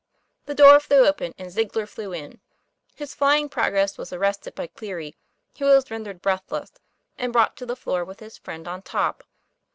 The door flew open, and Ziegler flew in. His flying progress was arrested by Cleary, who was rendered breathless and brought to the floor with his friend on top.